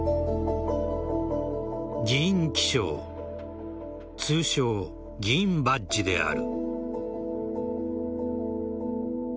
議員記章通称・議員バッジである。